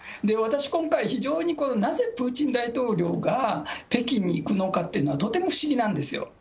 私、今回、非常になぜプーチン大統領が北京に行くのかっていうのは、とても不思議なんですよ。